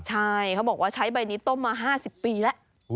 ใช่เขาบอกว่าใช้ใบนี้ต้มมา๕๐ปีแล้ว